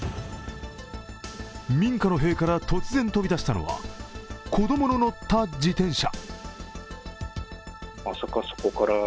民家の塀から突然飛び出したのは子供の乗った自転車。